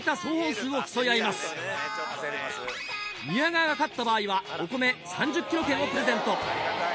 宮川が勝った場合はお米３０ｋｇ券をプレゼント。